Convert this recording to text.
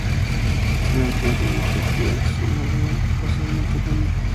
Se lo encuentra en Etiopía, Somalia, y posiblemente Kenia.